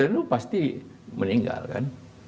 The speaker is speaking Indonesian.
botol botol itu pasti meninggal kan